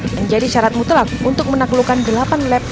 menjadi syarat mutlak untuk menaklukkan delapan lap